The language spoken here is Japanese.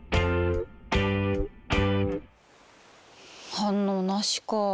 反応なしか。